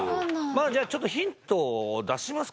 まあじゃあちょっとヒントを出しますか？